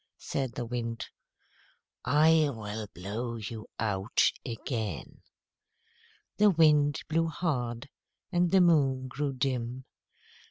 Said the Wind "I will blow you out again." The Wind blew hard, and the Moon grew dim.